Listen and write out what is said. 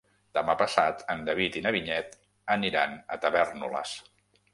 Demà passat en David i na Vinyet aniran a Tavèrnoles.